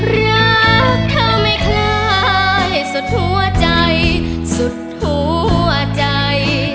รักเธอไม่คล้ายสุดหัวใจสุดทั่วใจ